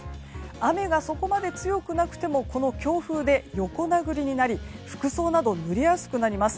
雨がそこまで強くなくてもこの強風で横殴りになり服装など、ぬれやすくなります。